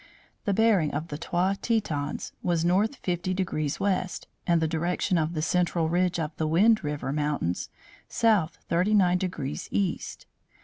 The bearing of the Trois Tetons was north 50 degrees west, and the direction of the central ridge of the Wind River Mountains south 39 degrees east.